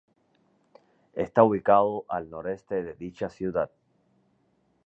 Está ubicado al noroeste de dicha ciudad.